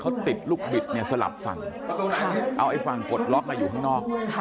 เขาติดลูกบิดเนี่ยสลับฝั่งเอาไอ้ฝั่งกดล็อกมาอยู่ข้างนอก